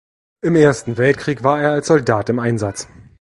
Im Ersten Weltkrieg war er als Soldat im Einsatz.